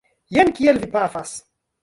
Jen kiel vi pafas!